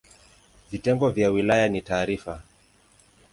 Vitengo vya wilaya ni tarafa.